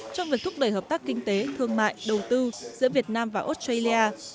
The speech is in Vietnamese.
trong việc thúc đẩy hợp tác kinh tế thương mại đầu tư giữa việt nam và australia